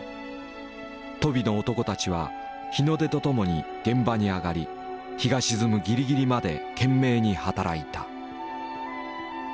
鳶の男たちは日の出と共に現場にあがり日が沈むぎりぎりまで懸命に働いた。